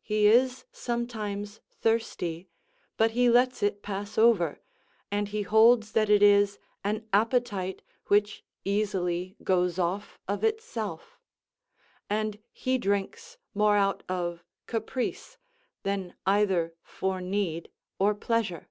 He is sometimes thirsty, but he lets it pass over, and he holds that it is an appetite which easily goes off of itself; and he drinks more out of caprice than either for need or pleasure.